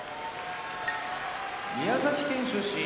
宮崎県出身